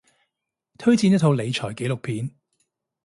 推薦一套理財紀錄片